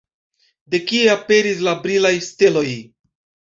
De kie aperis la brilaj steloj?